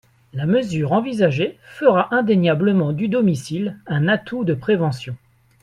La mesure envisagée fera indéniablement du domicile un atout de prévention.